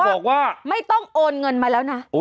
บอกว่าไม่ต้องโอนเงินมาแล้วนะ